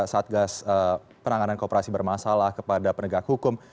satgas penanganan kooperasi bermasalah kepada penegak hukum